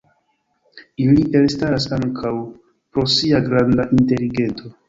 Ili elstaras ankaŭ pro sia granda inteligento.